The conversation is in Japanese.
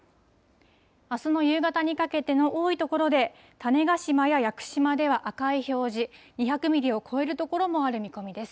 あすの夕方にかけての多い所で、種子島や屋久島では赤い表示、２００ミリを超える所もある見込みです。